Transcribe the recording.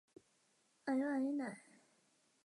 工业上各种氯代乙酸就是通过这个反应制备的。